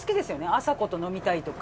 あさこと飲みたいとか。